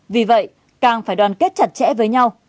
vì vậy càng phải đoàn kết chặt chẽ với nhau